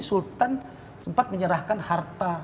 sultan sempat menyerahkan harta